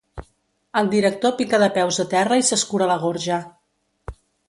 El director pica de peus a terra i s'escura la gorja.